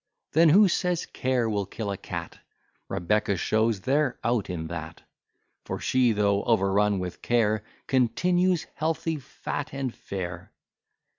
Then who says care will kill a cat? Rebecca shows they're out in that. For she, though overrun with care, Continues healthy, fat, and fair.